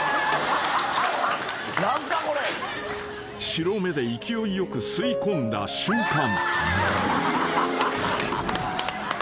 ［白目で勢いよく吸い込んだ瞬間］